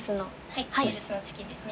はいミールスのチキンですね。